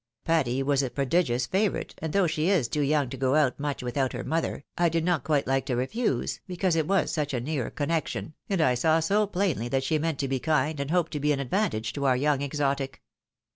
Patty was a prodigious favourite, and though she is too young to go out much without her mother, I did not quite like to refuse, because it was such a near connection, and I saw so plainly 250 THE WIDOW MAREIED. that she meant to be kind and hoped to be an advantage to our young exotic.